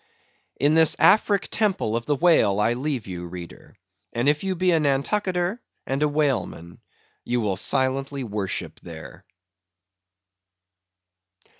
In this Afric Temple of the Whale I leave you, reader, and if you be a Nantucketer, and a whaleman, you will silently worship there.